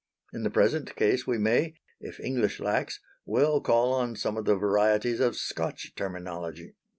In the present case we may, if English lacks, well call on some of the varieties of Scotch terminology.